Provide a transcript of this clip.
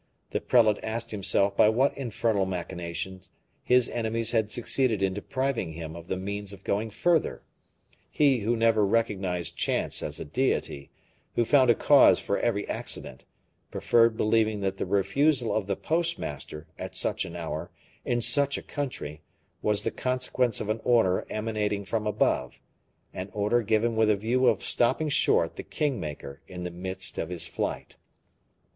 The prelate asked himself by what infernal machination his enemies had succeeded in depriving him of the means of going further, he who never recognized chance as a deity, who found a cause for every accident, preferred believing that the refusal of the postmaster, at such an hour, in such a country, was the consequence of an order emanating from above: an order given with a view of stopping short the king maker in the midst of his flight.